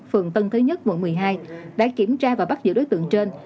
phường tân thế nhất v một mươi hai đã kiểm tra và bắt giữ đối tượng trên